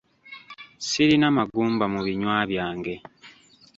Sirina magumba mu binywa byange.